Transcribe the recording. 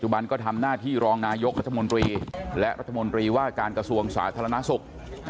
บันก็ทำหน้าที่รองนายกรัฐมนตรีและรัฐมนตรีว่าการกระทรวงสาธารณสุข